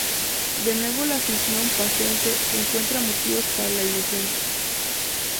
De nuevo la afición pacense encuentra motivos para la ilusión.